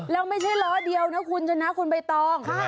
แล้วไม่ใช่ล้อเดียวนะคุณชนะคุณใบตอง